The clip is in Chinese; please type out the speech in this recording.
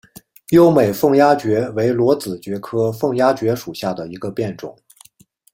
优美凤丫蕨为裸子蕨科凤丫蕨属下的一个变种。